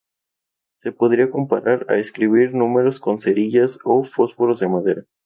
Se podría comparar a escribir números con cerillas o fósforos de madera.